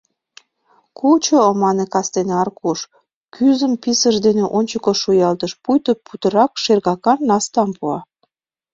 — Кучо, — мане кастене Аркуш, кӱзым писыж дене ончыко шуялтыш, пуйто путырак шергакан настам пуа.